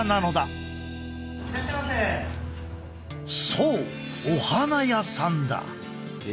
そうお花屋さんだ。